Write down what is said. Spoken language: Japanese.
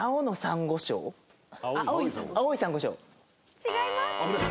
違います。